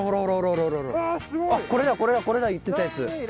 これだこれだこれだ言ってたやつ。